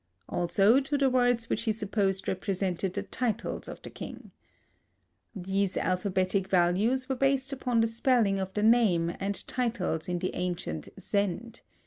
Also, to the words which he supposed represented the titles of this king. These alphabetic values were based upon the spelling of the name and titles in the ancient Zend.